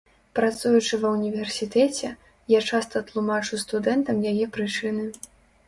Працуючы ва ўніверсітэце, я часта тлумачу студэнтам яе прычыны.